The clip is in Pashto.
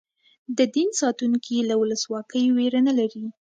د دین ساتونکي له ولسواکۍ وېره نه لري.